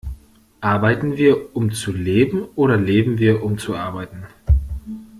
Arbeiten wir, um zu leben oder leben wir, um zu arbeiten?